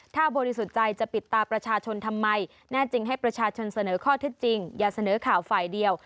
ถ้าบริสุทธิ์ใจจะปิดตาประชาชนทำไมแน่จริงให้ประชาชนเสนอข้อเท็จจริงอย่าเสนอข่าวฝ่ายเดียว